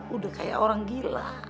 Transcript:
udah kayak orang gila